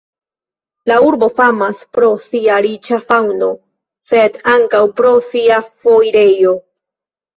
La urbo famas pro sia riĉa faŭno, sed ankaŭ pro sia foirejo.